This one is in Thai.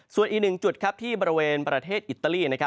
ส่วนอีกหนึ่งจุดที่บริเวณประเทศอิตาลี